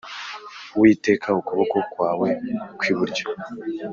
“uwiteka, ukuboko kwawe kw’iburyo